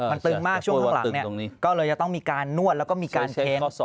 มันตึงมากช่วงข้างหลังก็เลยจะต้องมีการนวดแล้วก็มีการเค้น